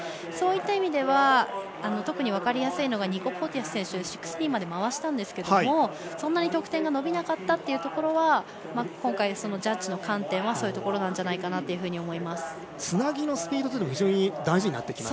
そういった意味では特に分かりやすいのはニコ・ポーティアスしっかり回転したんですがそんなに得点が伸びなかったというところは今回ジャッジの観点はそういうところなんじゃないかなと思います。